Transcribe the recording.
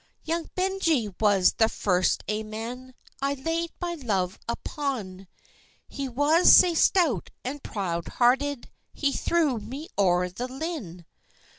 "Young Benjie was the first ae man I laid my love upon; He was sae stout and proud hearted, He threw me o'er the linn."